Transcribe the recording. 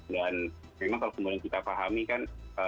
dan memang kalau kemudian kita pahami kan